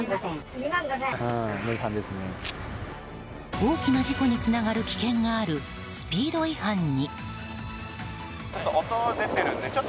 大きな事故につながる危険があるスピード違反に。